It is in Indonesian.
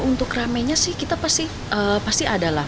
kalau untuk rame nya sih kita pasti ada lah